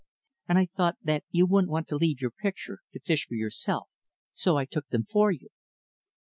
And I thought that you wouldn't want to leave your picture, to fish for yourself, so I took them for you."